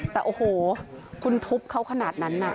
แต่โอ้โหคุณทุบเขาขนาดนั้นน่ะ